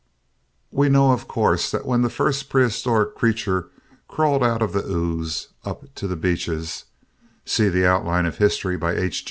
We know of course that when the first prehistoric creature crawled out of the ooze up to the beaches (see "The Outline of History" by H.